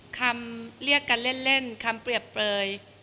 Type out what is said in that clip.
คำเรียกกันเล่นคำเปรียบเปลย